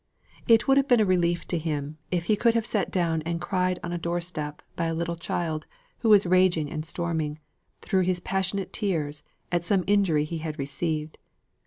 It would have been a relief to him, if he could have sat down and cried on a door step by a little child, who was raging and storming, through his passionate tears, at some injury he had received.